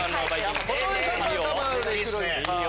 いいよ！